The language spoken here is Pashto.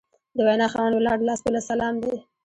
د وینا خاوند ولاړ لاس په سلام دی